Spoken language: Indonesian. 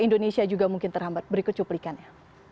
indonesia juga mungkin terhambat berikut cuplikannya